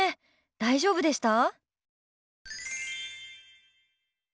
大丈夫でした？